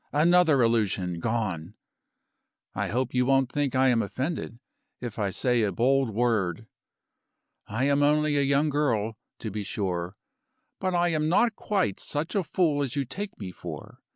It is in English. Another illusion gone! I hope you won't think I am offended, if I say a bold word. I am only a young girl, to be sure; but I am not quite such a fool as you take me for.